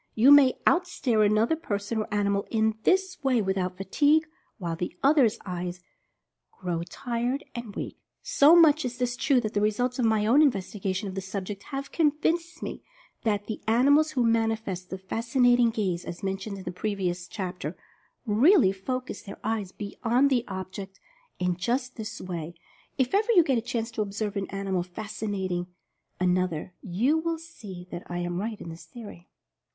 You may out stare another person, or animal, in this way, without fatigue, while the other's eyes grow tired and weak. So much is this true that the results of my own investigation of the subject have convinced me that the animals who manifest the Fascinating Gaze (as mentioned in a previous chapter) really focus their eyes beyond the object in just this way. If ever 228 Mental Fascination you get a chance to observe an animal fascinating an other, you will see that I am right in this theory.